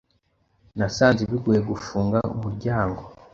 Nasanze bigoye gufunga umuryango.